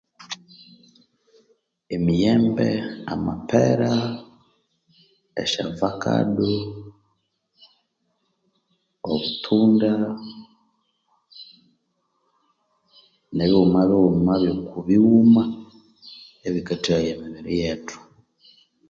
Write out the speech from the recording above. Emiyembe, amapera , esyavakado, obutunda nibighuma bighuma byokabighuma ebikatheghaya emibiri yethu.